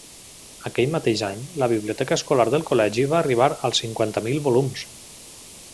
Aquell mateix any la Biblioteca escolar del Col·legi va arribar als cinquanta mil volums.